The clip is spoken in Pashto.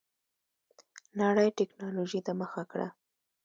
نړۍ ټيکنالوجۍ ته مخه کړه.